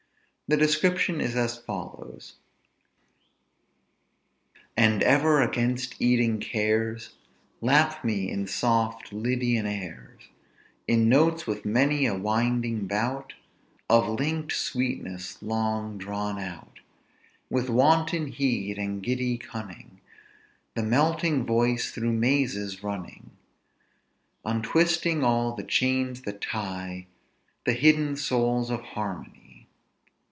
The description is as follows: "And ever against eating cares, Lap me in soft Lydian airs; In notes with many a winding bout Of linked sweetness long drawn out; With wanton heed, and giddy cunning, The melting voice through mazes running; Untwisting all the chains that tie The hidden soul of harmony."